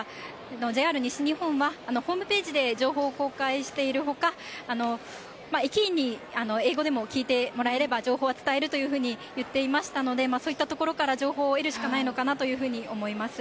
ＪＲ西日本は、ホームページで情報を公開しているほか、駅員に英語でも聞いてもらえれば、情報は伝えるというふうに言っていましたので、そういった所から情報を得るしかないのかなというふうに思います。